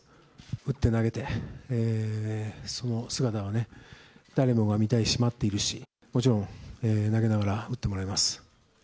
打って投げて、その姿は誰もが見たいし、待っているし、もちろん、投げながら打ってもらいます。